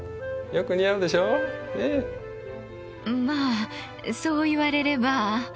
まあそう言われれば。